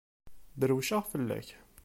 Drewceɣ fell-ak.